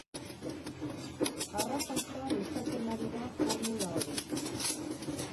Arrakasta izaten ari da formula hori?